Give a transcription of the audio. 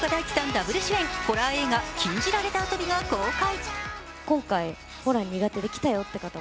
ダブル主演、ホラー映画「禁じられた遊び」が公開。